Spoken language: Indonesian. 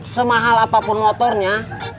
semahal apapun motornya